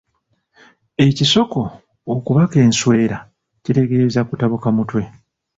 Ekisoko okubaka enswera kitegeeza kutabuka mutwe.